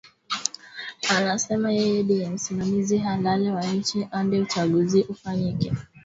Anasema yeye ndie msimamizi halali wa nchi hadi uchaguzi ufanyike